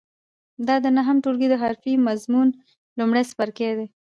دا د نهم ټولګي د حرفې مضمون لومړی څپرکی دی.